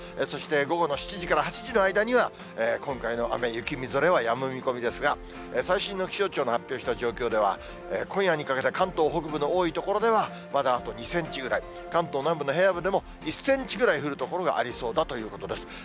そして、午後の７時から８時の間には、今回の雨、雪、みぞれはやむ見込みですが、最新の気象庁の発表した状況では、今夜にかけて関東北部の多い所では、まだあと２センチぐらい、関東南部の平野部でも、１センチぐらい降る所がありそうだということです。